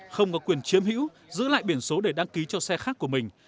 không có quyền chiếm hữu giữ lại biển số để đăng ký cho xe khác của mình